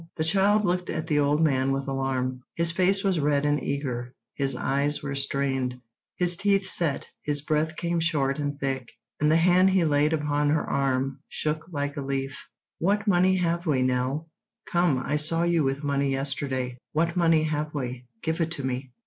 The child looked at the old man with alarm. His face was red and eager, his eyes were strained, his teeth set, his breath came short and thick, and the hand he laid upon her arm shook like a leaf. "What money have we, Nell? Come, I saw you with money yesterday. What money have we? Give it to me."